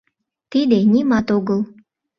Тиде — нимат огыл.